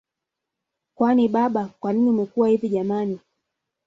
Kwani baba kwanini umekuwa hivi jamani